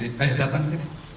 eh datang sini